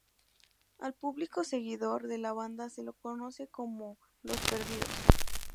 Al público seguidor de la banda se lo conoce como "Los Perdidos".